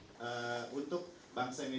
ehm untuk bang